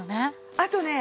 あとね